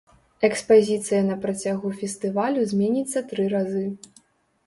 Экспазіцыя на працягу фестывалю зменіцца тры разы.